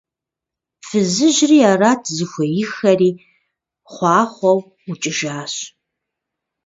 Фызыжьри арат зыхуеиххэри, хъуахъуэу ӀукӀыжащ.